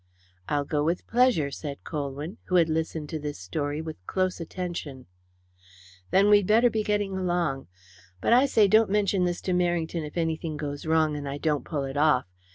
"I'll go with pleasure," said Colwyn, who had listened to this story with close attention. "Then we'd better be getting along. But, I say, don't mention this to Merrington if anything goes wrong and I don't pull it off.